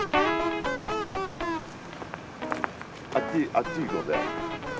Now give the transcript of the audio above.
あっち行こうぜ。